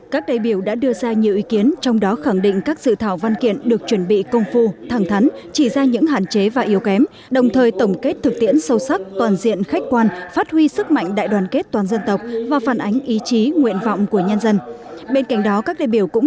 các đại biểu đã đưa ra nhiều ý kiến trong đó khẳng định các dự thảo văn kiện được chuẩn bị công phu thẳng thắn chỉ ra những hạn chế và yếu kém đồng thời tổng kết thực tiễn sâu sắc toàn diện khách quan phát huy sức mạnh đại đoàn kết toàn dân tộc và phản ánh ý chí nguyện vọng của nhân dân